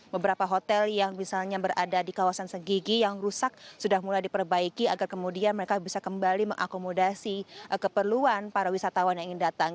beberapa hotel yang misalnya berada di kawasan segigi yang rusak sudah mulai diperbaiki agar kemudian mereka bisa kembali mengakomodasi keperluan para wisatawan yang ingin datang